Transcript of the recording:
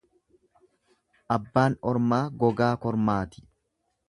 Abbaan ormaa gogaa kormaati.